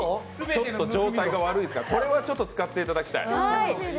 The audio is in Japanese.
ちょっと状態が悪いですが、これはちょっと使っていただきたい。